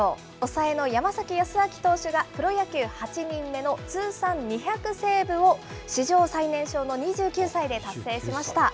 抑えの山崎康晃投手が、プロ野球８人目の通算２００セーブを、史上最年少の２９歳で達成しました。